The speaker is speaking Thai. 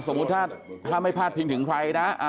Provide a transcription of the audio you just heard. สมมุติถ้าไม่พาดพิงถึงใครนะ